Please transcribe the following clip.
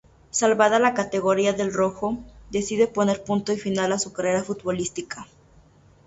Salvada la categoría del "Rojo", decide poner punto y final a su carrera futbolística.